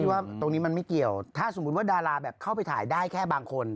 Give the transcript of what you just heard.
ว่าตรงนี้มันไม่เกี่ยวถ้าสมมุติว่าดาราแบบเข้าไปถ่ายได้แค่บางคน